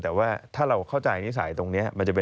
แต่ว่าถ้าเราเข้าใจนิสัยตรงนี้